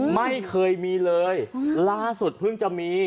ไม่เคยมีเลยล่าสุดเพิ่งจะมี